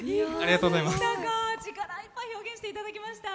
力いっぱい表現していただきました。